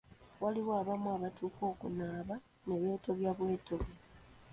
Waliwo abamu abatuuka okunaaba ne beetobya bwetobya.